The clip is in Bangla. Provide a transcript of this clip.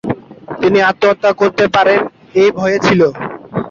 তিনি আত্মহত্যা করতে পারেন এই ভয়ে ছিল।